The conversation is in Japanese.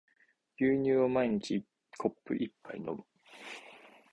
牛乳を毎日コップ一杯飲む